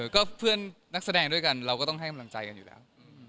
ก็เพื่อนนักแสดงด้วยกันเราก็ต้องให้กำลังใจกันอยู่แล้ว